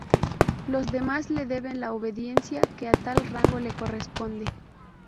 Los demás le deben la obediencia que a tal rango le corresponde.